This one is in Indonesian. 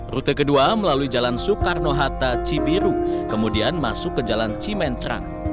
rute kedua melalui jalan soekarno hatta cibiru kemudian masuk ke jalan cimencrang